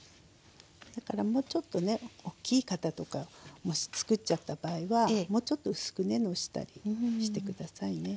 だからもうちょっとねおっきい型とかもしつくっちゃった場合はもうちょっと薄くねのしたりして下さいね。